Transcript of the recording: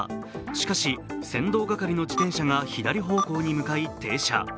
しかし先導係の自転車が左方向に向かい、停車。